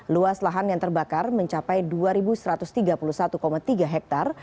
luas lahan yang terbakar mencapai dua satu ratus tiga puluh satu tiga hektare